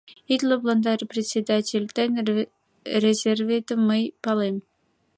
— Ит лыпландаре председатель, тыйын резерветым мый палем.